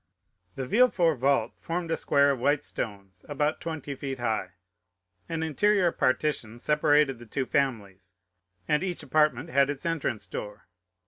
The Villefort vault formed a square of white stones, about twenty feet high; an interior partition separated the two families, and each apartment had its entrance door.